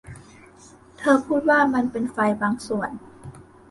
เธอพูดว่ามันเป็นไฟบางส่วน